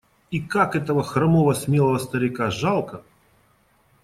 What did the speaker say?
И как этого хромого смелого старика жалко!